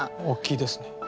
おっきいですね。